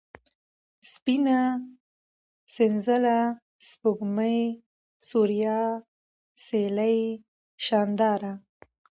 سپينه ، سنځله ، سپوږمۍ ، سوریا ، سېلۍ ، شانداره